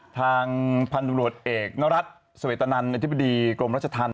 ทางพันธุรกิจเอกนรัฐเสวตนันอธิบดีกรมรัชธรรม